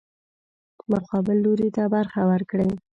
مقابل لوري ته برخه ورکړي.